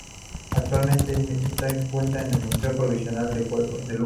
Actualmente está expuesta en el Museo Provincial de Lugo.